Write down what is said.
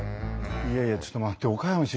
いやいやちょっと待って。